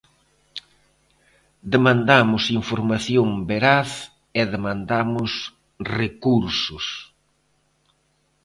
Demandamos información veraz e demandamos recursos.